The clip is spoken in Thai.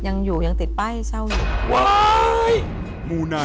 ยังอยู่ยังติดป้ายเช่าอยู่